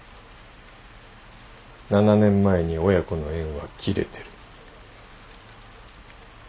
７年前に親子の縁は切れてる。